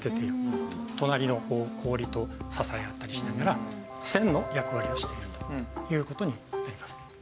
隣の氷と支え合ったりしながら栓の役割をしているという事になります。